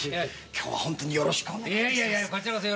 今日はホントによろしくお願いいたします。